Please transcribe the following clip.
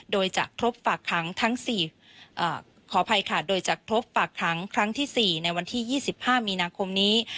โดยจะครบฝากขังทั้งสี่อ่าขออภัยค่ะโดยจะครบฝากขังครั้งที่สี่ในวันที่ยี่สิบห้ามีนาคมนี้